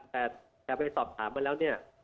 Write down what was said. แต่ไปสอบถามมาแล้วเนี่ย